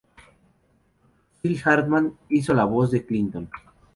Phil Hartman hizo la voz de Clinton.